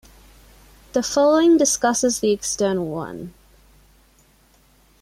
The following discusses the external one.